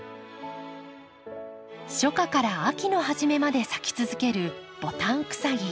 初夏から秋の初めまで咲き続けるボタンクサギ。